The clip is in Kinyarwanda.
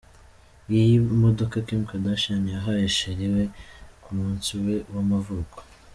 Ngiyi imodoka Kim Kardashian yahaye cheri we ku munsi we w'amavuko.